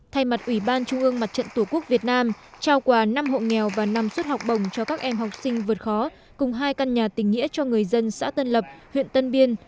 thay mặt ủy ban trung ương mặt trận tổ quốc việt nam trao quà năm hộ nghèo và năm suất học bổng cho các em học sinh vượt khó cùng hai căn nhà tình nghĩa cho người dân xã tân lập huyện tân biên